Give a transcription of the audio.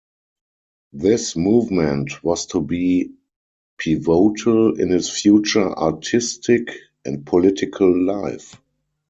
This movement was to be pivotal in his future artistic and political life.